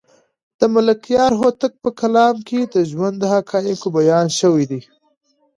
د ملکیار هوتک په کلام کې د ژوند د حقایقو بیان شوی دی.